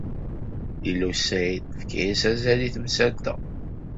Lila u Saɛid tefka-as azal i temsalt-a.